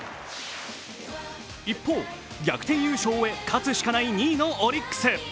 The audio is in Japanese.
一方、逆転優勝へ勝つしかない２位のオリックス。